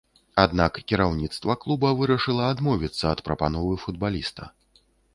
Аднак кіраўніцтва клуба вырашыла адмовіцца ад прапановы футбаліста.